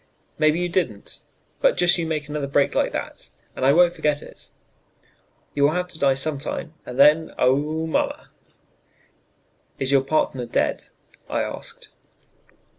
"Maybe you didn't. But just you make another break like that, and I won't forget it; you will have to die sometime, and then, oh, mamma!" "Is your partner dead?" I asked.